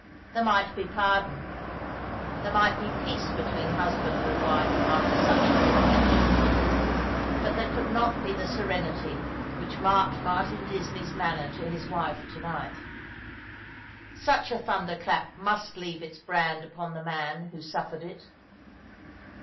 There might be pardon — there might be peace between husband and wife after such a revelation ; but there could not be the serenity which marked Martin Disney's manner to his wife to night. Such a thunder clap must leave its brand upon the man who suffered it.